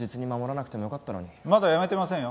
まだ辞めてませんよ。